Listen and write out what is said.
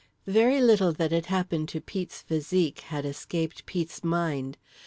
Very little that had happened to Pete's physique had escaped Pete's mind.